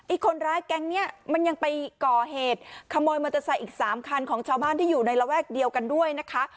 คนร้ายแก๊งนี้มันยังไปก่อเหตุขโมยมอเตอร์ไซค์อีก๓คันของชาวบ้านที่อยู่ในระแวกเดียวกันด้วยนะคะ